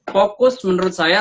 fokus menurut saya